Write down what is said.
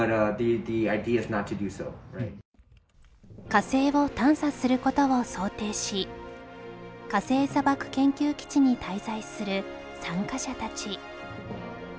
火星を探査する事を想定し火星砂漠研究基地に滞在する参加者たち